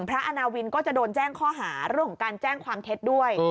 อาณาวินก็จะโดนแจ้งข้อหาเรื่องของการแจ้งความเท็จด้วย